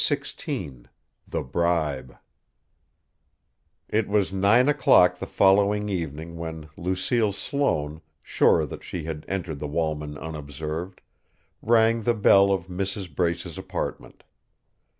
XVI THE BRIBE It was nine o'clock the following evening when Lucille Sloane, sure that she had entered the Walman unobserved, rang the bell of Mrs. Brace's apartment.